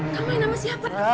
kamu main sama siapa